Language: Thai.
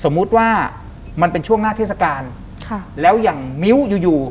สมมุติว่ามันเป็นช่วงหน้าเทศกาลค่ะแล้วอย่างมิ้วอยู่อยู่